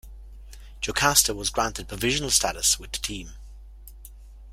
Jocasta was granted provisional status with the team.